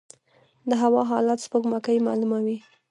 د هوا حالات سپوږمکۍ معلوموي